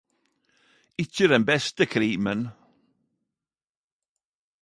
Ikkje den beste krimen.